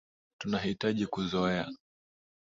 Tunahitaji kuzoea.